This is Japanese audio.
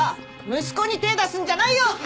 息子に手出すんじゃないよ！